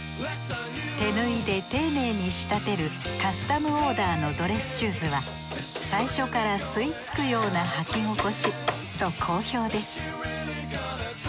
手縫いで丁寧に仕立てるカスタムオーダーのドレスシューズは最初から吸いつくような履き心地と好評です